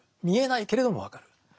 見えないけれども分かる。